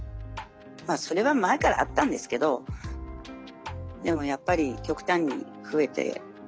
まあそれは前からあったんですけどでもやっぱり極端に増えて。